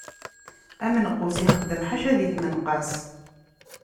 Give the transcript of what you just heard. Amenqus ixeddem ḥaca di tmenqas.